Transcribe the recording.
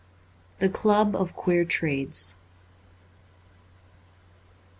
' The Club of Queer Trades.